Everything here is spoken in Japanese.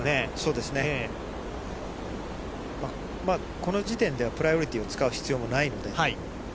この時点ではプライオリティーを使う必要もないので。